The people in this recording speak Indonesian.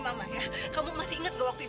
rani rani tunggu ken